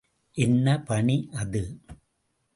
என்ன பணி அது?